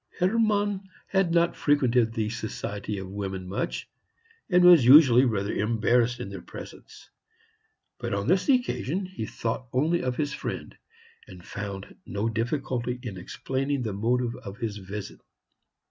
Hermann had not frequented the society of women much, and was usually rather embarrassed in their presence. But on this occasion he thought only of his friend, and found no difficulty in explaining the motive of his visit.